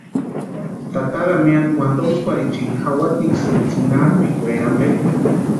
Tata Damiani wantontskwarhichini jawatiksïni tsinapʼikwaeri ampe.